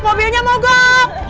mobilnya mau gok